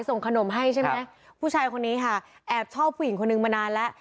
ส่งขนมให้ใช่ไหมผู้ชายคนนี้ค่ะแอบชอบผู้หญิงคนนึงมานานแล้ว